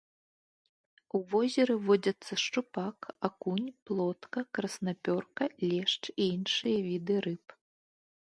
У возеры водзяцца шчупак, акунь, плотка, краснапёрка, лешч і іншыя віды рыб.